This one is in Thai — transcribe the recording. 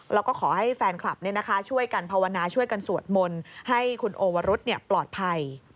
แล้วก็ขอให้แฟนคลับช่วยกันภาวนาช่วยกันสวดมนต์ให้คุณโอวรุษปลอดภัย